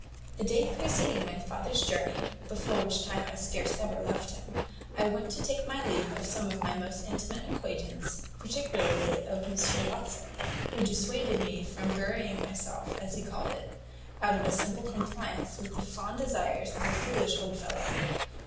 "The day preceding my father's journey (before which time I scarce ever left him), I went to take my leave of some of my most intimate acquaintance, particularly of Mr Watson, who dissuaded me from burying myself, as he called it, out of a simple compliance with the fond desires of a foolish old fellow.